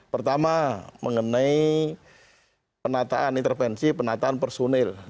pertama mengenai penataan intervensi penataan personil